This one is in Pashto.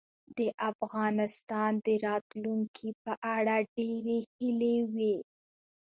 د افغانستان د راتلونکې په اړه ډېرې هیلې وې.